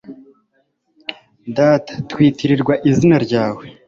Data twitirirwa izina ryawe